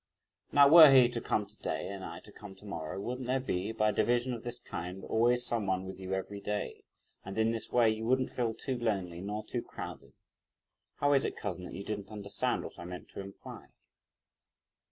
Now were he to come to day, and I to come to morrow, wouldn't there be, by a division of this kind, always some one with you every day? and in this way, you wouldn't feel too lonely, nor too crowded. How is it, cousin, that you didn't understand what I meant to imply?"